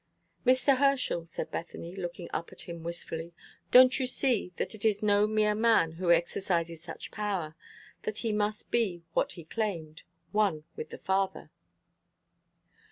'" "Mr. Herschel," said Bethany, looking up at him wistfully, "don't you see that it is no mere man who exercises such power; that he must be what he claimed one with the Father?"